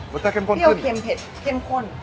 รสชาติเข้มข้นขึ้นเข้มข้น